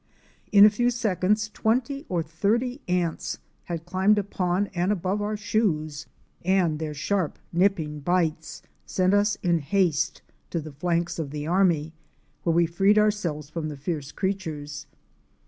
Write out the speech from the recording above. In a few seconds twenty or thirty ants had climbed upon and above our shoes, and their sharp, nipping bites sent us in haste to the flanks of the army, where we freed ourselves from the fierce creatures.